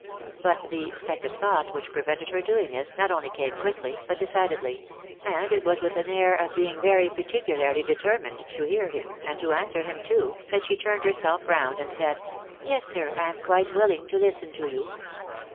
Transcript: But the second tliouglit which prevented her doing this, not only came quickly, but decidedly ; and it was with an air of being very particularly deter mined to hear him, and to answer him, too, that she turned herself round, and said —■" Yes, sir, I am quite willing to listen to you."